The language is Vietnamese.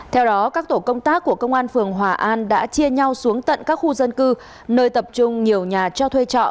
theo đó các tổ công tác của công an phường hòa an đã chia nhau xuống tận các khu dân cư nơi tập trung nhiều nhà cho thuê trọ